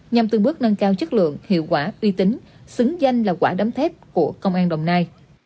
nhằm từng bước nâng cao chất lượng hiệu quả uy tín xứng danh là quả đấm thép của công an đồng nai